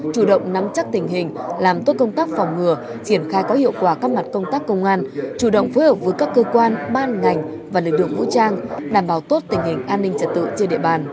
chủ động nắm chắc tình hình làm tốt công tác phòng ngừa triển khai có hiệu quả các mặt công tác công an chủ động phối hợp với các cơ quan ban ngành và lực lượng vũ trang đảm bảo tốt tình hình an ninh trật tự trên địa bàn